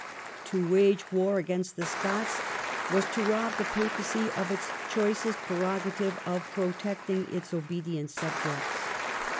To wage war against the Scots was to rob the papacy of its choicest prerogative of protecting its obedient subjects.